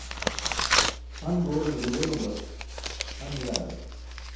Han goorane gudelumar han yaarar.